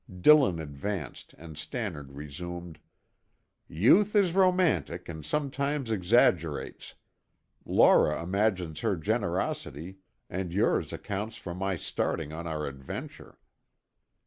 Dillon advanced and Stannard resumed: "Youth is romantic and sometimes exaggerates. Laura imagines her generosity and yours accounts for my starting on our adventure.